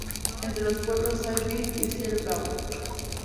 Entre los pueblos Saint Beat y Cierp-gaud.